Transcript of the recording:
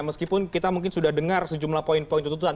meskipun kita mungkin sudah dengar sejumlah poin poin tuntutan